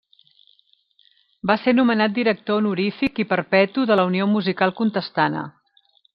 Va ser nomenat director honorífic i perpetu de la Unió Musical Contestana.